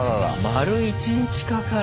丸１日かかる。